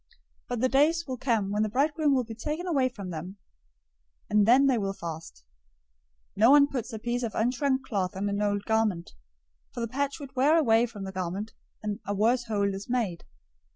But the days will come when the bridegroom will be taken away from them, and then they will fast. 009:016 No one puts a piece of unshrunk cloth on an old garment; for the patch would tear away from the garment, and a worse hole is made.